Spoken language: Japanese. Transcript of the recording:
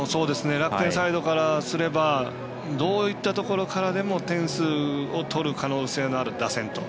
楽天サイドからすればどういったところからでも点数を取る可能性のある打線と。